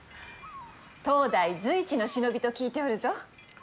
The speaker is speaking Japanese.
当代随一の忍びと聞いておるぞ。